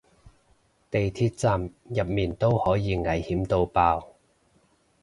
地鐵站入面都可以危險到爆